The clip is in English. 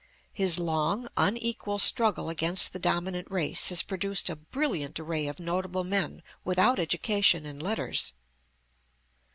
His long, unequal struggle against the dominant race has produced a brilliant array of notable men without education in letters.